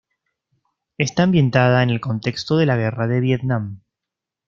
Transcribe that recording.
Está ambientada en el contexto de la guerra de Vietnam.